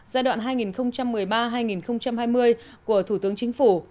giai đoạn hai nghìn một mươi ba hai nghìn hai mươi của thủ tướng chính phủ